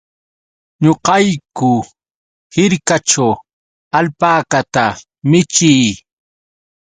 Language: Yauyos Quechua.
Ñuqayku hirkaćhu alpakata michii.